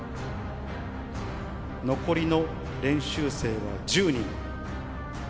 残りの練習生は１０人。